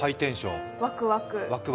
ワクワク？